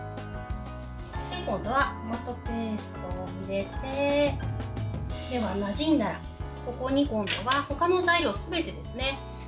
今度はトマトペーストを入れてなじんだら、ここに今度はほかの材料すべてですね。